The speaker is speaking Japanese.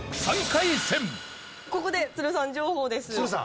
ここで都留さん情報です。